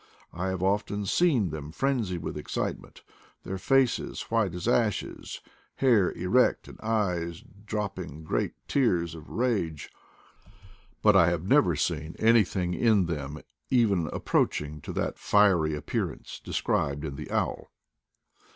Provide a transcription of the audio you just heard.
I have often seen them frenzied with excitement, their faces white as ashes, hair erect, and eyes dropping great tears of rage, but I have never seen anything in them even ap proaching to that fiery appearance described in the owl.